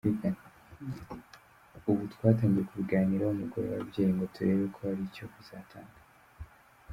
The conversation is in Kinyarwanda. Ubu twatangiye kubiganiraho mu mugoroba w’ababyeyi ngo turebe ko hari icyo bizatanga.